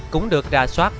cũng được ra soát